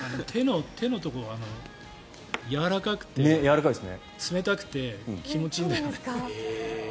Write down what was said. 手のところやわらかくて冷たくて気持ちいいんだよね。